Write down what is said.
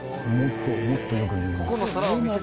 もっとよく見えます。